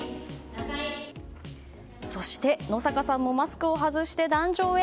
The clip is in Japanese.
そして、野坂さんもマスクを外して壇上へ。